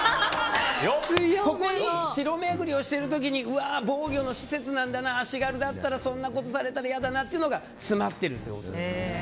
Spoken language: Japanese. ここに、城巡りをしている時に防御の施設なんだな足軽だったらそんなことされたら嫌だなというのが詰まってるということですね。